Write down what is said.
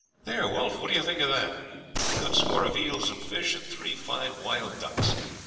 "There, Wolf, what do you think of that? A good score of eels and fish and three fine wild ducks.